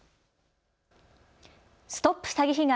ＳＴＯＰ詐欺被害！